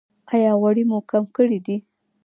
ایا غوړي مو کم کړي دي؟